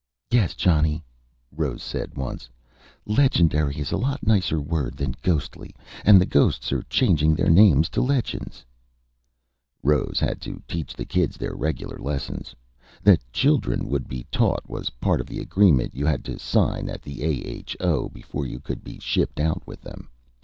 "Yes, Johnny," Rose said once. "'Legendary' is a lot nicer word than 'ghostly'. And the ghosts are changing their name to legends." Rose had to teach the kids their regular lessons. That children would be taught was part of the agreement you had to sign at the A. H. O. before you could be shipped out with them.